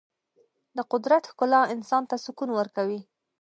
د قدرت ښکلا انسان ته سکون ورکوي.